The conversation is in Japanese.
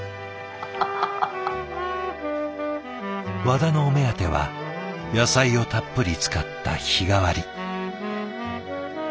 ワダのお目当ては野菜をたっぷり使った日替わり。